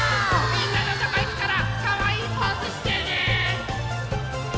みんなのとこいくからかわいいポーズしてね！